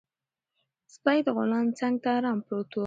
سپی د غلام څنګ ته ارام پروت و.